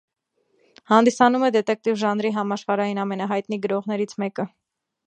Հանդիսանում է դետեկտիվ ժանրի համաշխարհային ամենահայտնի գրողներից մեկը։